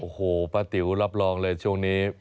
โอ้โหป้าติ๋วรับรองเลยช่วงนี้